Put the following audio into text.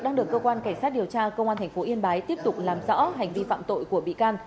đang được cơ quan cảnh sát điều tra công an tp yên bái tiếp tục làm rõ hành vi phạm tội của bị can